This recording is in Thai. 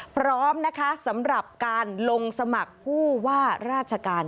พร้อมนะคะสำหรับการลงสมัครผู้ว่าราชการ